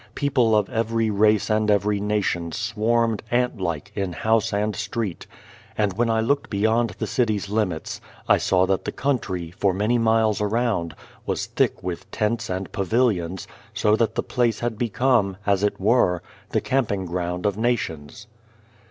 People of every race and every nation swarmed, ant like, in 171 The Child, the Wise Man house and street; and when I looked beyond the city's limits, I saw that the country, for many miles around, was thick with tents and pavilions, so that the place had become, as it were, the camping ground of nations.